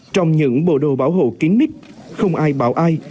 trong những bộ đồ bảo hộ kín mít không ai bảo ai